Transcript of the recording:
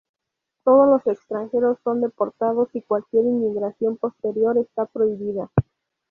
Todos los extranjeros son deportados y cualquier inmigración posterior está prohibida.